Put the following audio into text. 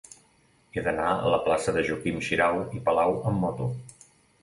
He d'anar a la plaça de Joaquim Xirau i Palau amb moto.